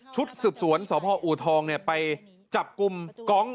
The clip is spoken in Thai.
ชุดสุดสวนสออูทองไปจับกุมก้อง